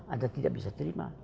ada yang tidak bisa terima